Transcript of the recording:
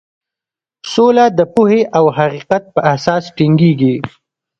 سوله د پوهې او حقیقت په اساس ټینګیږي.